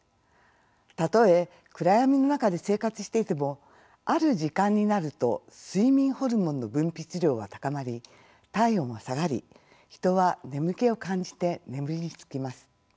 たとえ暗やみの中で生活していてもある時間になると睡眠ホルモンの分泌量は高まり体温は下がり人は眠気を感じて眠りにつきます。